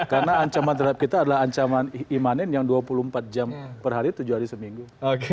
karena ancaman terhadap kita adalah ancaman imanin yang dua puluh empat jam per hari tujuh hari seminggu